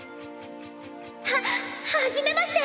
はっはじめまして！